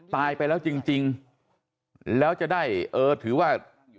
ตายไปแล้วจริงแล้วจะได้เออถือว่า